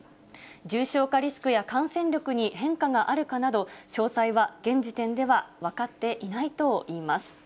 重症化リスクや感染力に変化があるかなど、詳細は現時点では分かっていないといいます。